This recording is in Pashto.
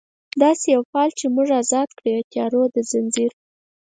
داسي یو فال چې موږ ازاد کړي، د تیارو د ځنځیر